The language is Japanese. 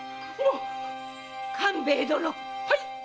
官兵衛殿！はいっ！